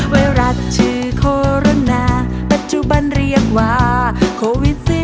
เวลาที่โคโรนาปัจจุบันเรียกว่าโควิด๑๙